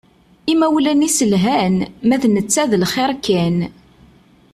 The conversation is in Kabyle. Imawlan-is lhan, ma d netta d lxiṛ kan.